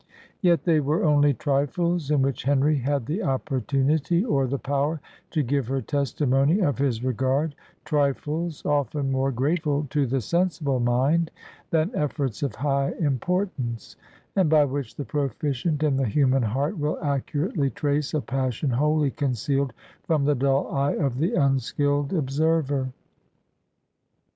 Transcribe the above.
Yet they were only trifles, in which Henry had the opportunity or the power to give her testimony of his regard trifles, often more grateful to the sensible mind than efforts of high importance; and by which the proficient in the human heart will accurately trace a passion wholly concealed from the dull eye of the unskilled observer.